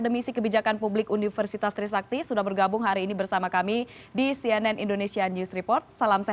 tetaplah bersama kami di cnn indonesian news report